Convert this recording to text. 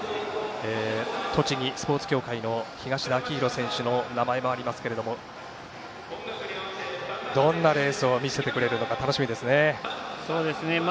栃木スポーツ協会の東田旺洋選手の名前もありますがどんなレースを見せてくれるのか楽しみですね。